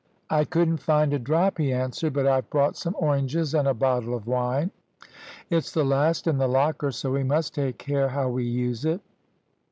"`I couldn't find a drop,' he answered, `but I've brought some oranges and a bottle of wine. It's the last in the locker, so we must take care how we use it.'